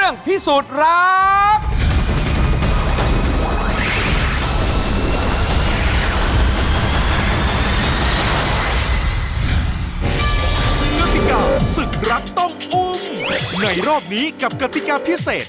ในรอบนี้กับกฎิกาพิเศษ